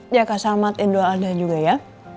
ya kak selamat idul ada juga ya